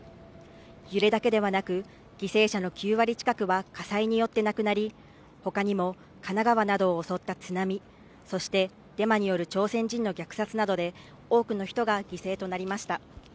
揺れだけではなく犠牲者の９割近くは火災によって亡くなりほかにも神奈川などを襲った津波そしてデマによる朝鮮人の虐殺などで多くの人が犠牲となりました